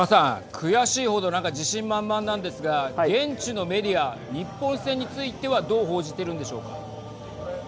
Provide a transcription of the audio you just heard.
悔しい程自信満々なんですが現地のメディア日本戦についてはどう報じているんでしょうか。